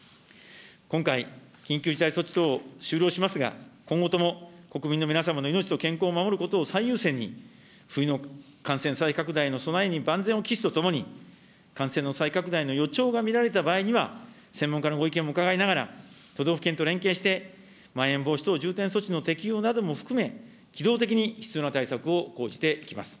今回、緊急事態措置等を終了しますが、今後とも国民の皆様の命と健康を守ることを最優先に、冬の感染再拡大の備えに万全を期すとともに、感染の再拡大の予兆が見られた場合には、専門家のご意見も伺いながら、都道府県と連携して、まん延防止等重点措置の適用なども含め、機動的に必要な対策を講じていきます。